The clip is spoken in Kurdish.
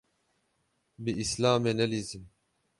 Bi Îslamê nelîzin.